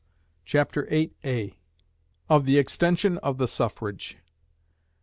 Chapter VIII Of the Extension of the Suffrage.